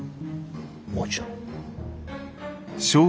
もちろん。